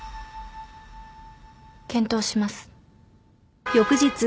検討します。